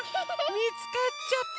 みつかっちゃった！